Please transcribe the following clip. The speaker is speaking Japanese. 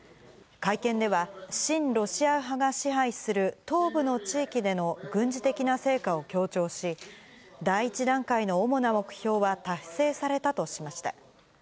会見では、親ロシア派が支配する東部の地域での軍事的な成果を強調し、第１段階の主な目標は達成されたとしました。